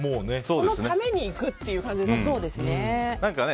このために行くっていう感じですね。